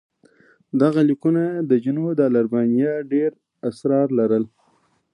دغه لیکونه د جنودالربانیه ډېر اسرار لرل.